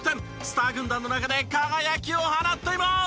スター軍団の中で輝きを放っています！